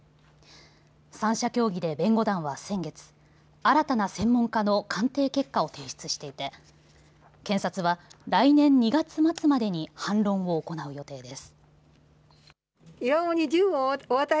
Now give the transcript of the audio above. ３者協議で弁護団は先月、新たな専門家の鑑定結果を提出していて検察は来年２月末までに反論を行う予定です。